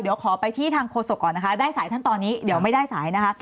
เดี๋ยวขอไปที่ทางโฆษกก่อนนะคะได้สายท่านตอนนี้เดี๋ยวไม่ได้สายนะคะ